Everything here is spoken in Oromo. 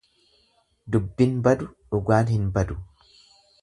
Dubbin badu dhugaan hin badu.